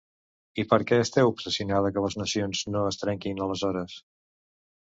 I per què esteu obsessionada que les nacions no es trenquin, aleshores?